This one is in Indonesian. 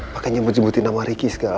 pakai nyembut jembutin nama ricky segala